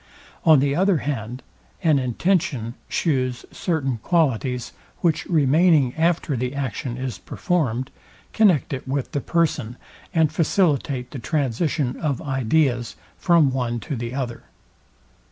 On the other hand, an intention shews certain qualities, which remaining after the action is performed, connect it with the person, and facilitate the transition of ideas from one to the other.